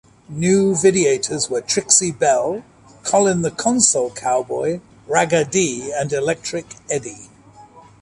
New Videators were Trixie Belle, Colin the Console Cowboy, Ragga D, and Electric Eddie.